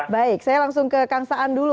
baik saya langsung ke kang saan dulu